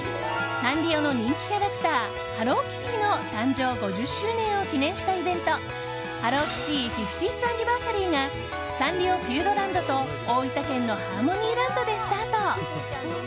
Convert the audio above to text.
サンリオの人気キャラクターハローキティの誕生５０周年を記念したイベント「ＨｅｌｌｏＫｉｔｔｙ５０ｔｈＡｎｎｉｖｅｒｓａｒｙ」がサンリオピューロランドと大分県のハーモニーランドでスタート。